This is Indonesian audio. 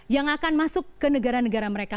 yang akan masuk ke negara negara mereka